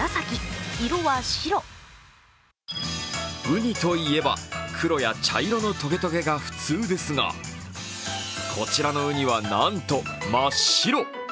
うにといえば、黒や茶色のとげとげが普通ですが、こちらのうには、なんと真っ白。